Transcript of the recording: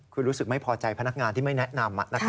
คุณรู้สึกไม่พอใจพระนักงานที่ไม่แนะนำนะครับ